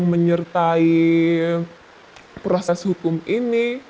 menyertai proses hukum ini